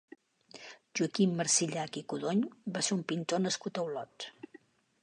Joaquim Marsillach i Codony va ser un pintor nascut a Olot.